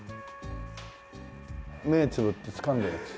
目つぶってつかんだやつ。